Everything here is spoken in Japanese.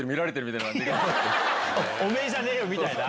おめぇじゃねえよ！みたいな。